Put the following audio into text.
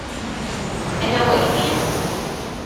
I know what you mean.